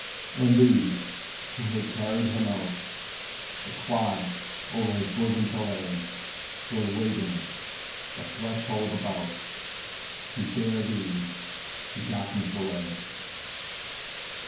And they, who had carried him out, The clods o'er his bosom to lay, Were waiting, the threshold about, To bear thee to darkness away.